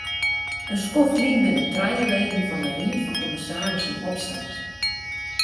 In skoft lyn binne trije leden fan de ried fan kommissarissen opstapt.